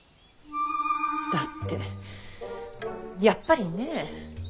だってやっぱりねえ。